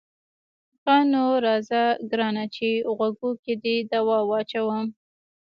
ښه نو راځه ګرانه چې غوږو کې دې دوا واچوم.